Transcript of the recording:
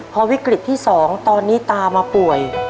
พอวิกฤตที่๒ตอนนี้ตามาป่วย